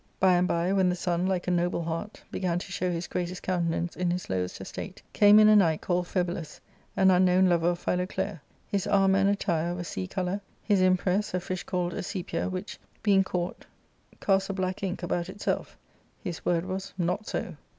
' By and by when the sun, like a noble heart, began to show his greatest countenance in his lowest estate, came in a knight called Phebilus, an unknown lover of Philoclea ; his armour and attire of a sea colour, his impress [cognisance] a fish called a sepia, which being caught casts a black ink about itself; his word was " Not so."